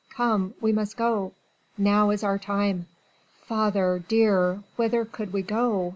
Come we must go ... now is our time." "Father, dear, whither could we go?